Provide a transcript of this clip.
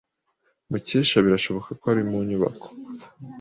Mukesha birashoboka ko ari mu nyubako.